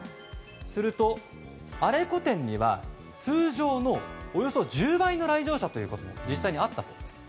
すると、「アレコ」展には通常のおよそ１０倍の来場者ということが実際にあったそうです。